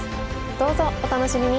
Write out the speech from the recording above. どうぞお楽しみに！